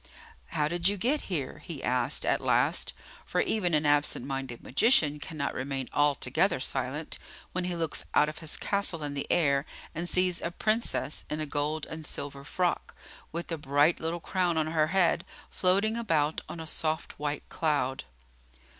"How did you get here?" he asked at last; for even an absent minded magician cannot remain altogether silent, when he looks out of his castle in the air and sees a Princess in a gold and silver frock, with a bright little crown on her head, floating about on a soft white cloud.